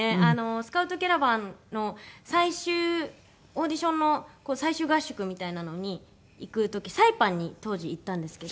スカウトキャラバンの最終オーディションの最終合宿みたいなのに行く時サイパンに当時行ったんですけど。